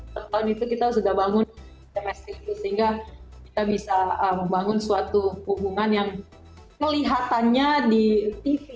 pada tahun itu kita sudah bangun kemestrinya sehingga kita bisa membangun suatu hubungan yang kelihatannya di tv